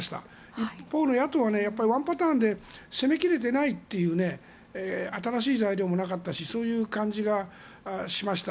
一方の野党はワンパターンで攻め切れていないという新しい材料もなかったしそういう感じがしました。